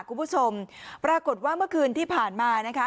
คุณผู้ชมปรากฏว่าเมื่อคืนที่ผ่านมานะคะ